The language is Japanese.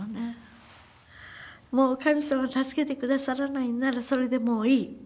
「もう神様助けて下さらないならそれでもういい。